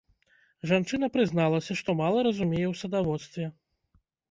Жанчына прызналася, што мала разумее ў садаводстве.